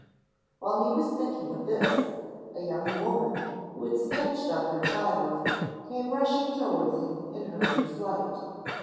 While he was thinking of this, a young woman, who had snatched up her child, came rushing towards him in hurried flight.